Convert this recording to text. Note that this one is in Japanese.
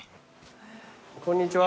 こんにちは。